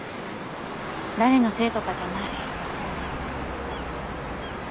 誰のせいとかじゃない。